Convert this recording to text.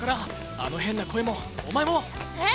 あの変な声もお前も！えっ？